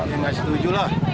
ya gak setuju lah